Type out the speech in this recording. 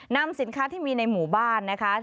นำสินค้าที่มีในหมู่บ้านนะคะ